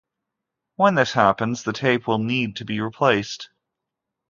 When this happens, the tape will need to be replaced.